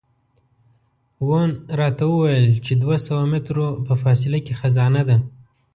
وون راته وویل چې دوه سوه مترو په فاصله کې خزانه ده.